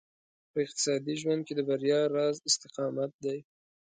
په اقتصادي ژوند کې د بريا راز استقامت دی.